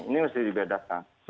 ini mesti dibedakan